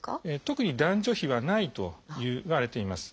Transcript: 特に男女比はないといわれています。